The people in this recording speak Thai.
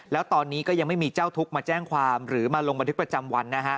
แล้วตอนนี้ก็ยังไม่มีเจ้าทุกข์มาแจ้งความหรือมาลงบันทึกประจำวันนะฮะ